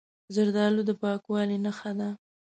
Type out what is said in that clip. زردالو د پاکوالي نښه ده.